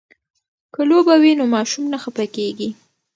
که لوبه وي نو ماشوم نه خفه کیږي.